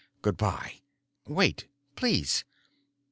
Good by." "Wait, please!"